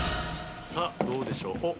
さあどうでしょう。